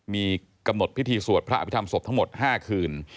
มีกำหนดพิธีสวดพระอภิษฐรรศพทั้งหมด๕คืน